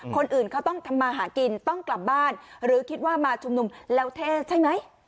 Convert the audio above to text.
คนอื่นเขาต้องทำมาหากินต้องกลับบ้านหรือคิดว่ามาชุมนุมแล้วเท่ใช่ไหม